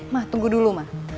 ma tunggu dulu ma